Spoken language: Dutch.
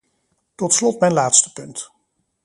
Tot slot mijn laatste punt.